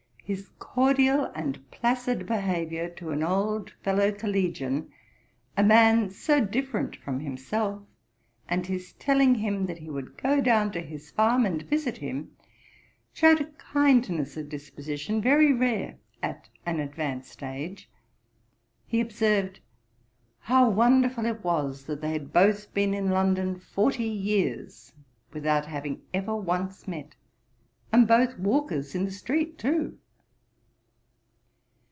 His cordial and placid behaviour to an old fellow collegian, a man so different from himself; and his telling him that he would go down to his farm and visit him, showed a kindness of disposition very rare at an advanced age. He observed, 'how wonderful it was that they had both been in London forty years, without having ever once met, and both walkers in the street too!'